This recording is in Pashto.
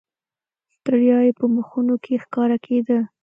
ستړیا یې په مخونو کې ښکاره کېده.